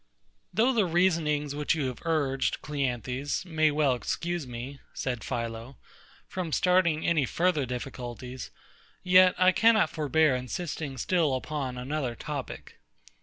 Though the reasonings which you have urged, CLEANTHES, may well excuse me, said PHILO, from starting any further difficulties, yet I cannot forbear insisting still upon another topic.